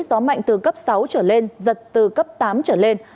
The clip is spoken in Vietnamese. gió mạnh từ cấp sáu trở lên giật từ cấp tám trở lên